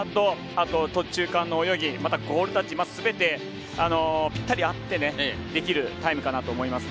あと、中間の泳ぎまだゴールタッチすべてぴったり合ってできるタイムかなと思います。